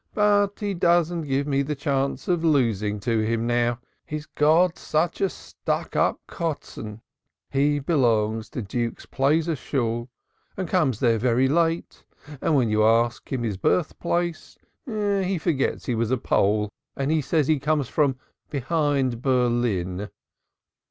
"But he doesn't give me the chance of losing to him now, he's got such a stuck up Kotzon. He belongs to Duke's Plaizer Shool and comes there very late, and when you ask him his birthplace he forgets he was a Pullack and says becomes from 'behind Berlin.'"